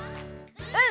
うん！